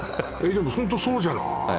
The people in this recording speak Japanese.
でもホントそうじゃない？